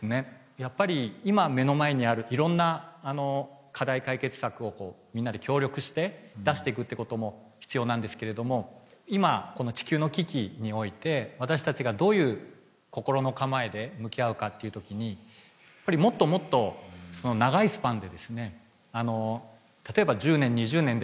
やっぱり今目の前にあるいろんな課題解決策をみんなで協力して出してくってことも必要なんですけれども今この地球の危機において私たちがどういう心の構えで向き合うかっていう時にやっぱりもっともっと長いスパンでですね